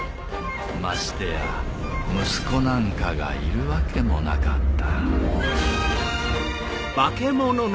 ましてや息子なんかがいるわけもなかった。